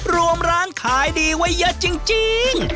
รวมร้านขายดีไว้เยอะจริง